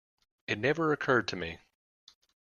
It never occurred to me.